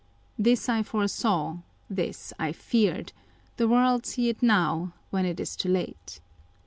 This I foresaw, this I feared ; the world see it now, when it is too late.